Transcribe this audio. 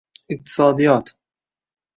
iqtisodiyot;